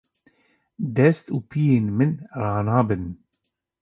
Dest û piyên min ranabin.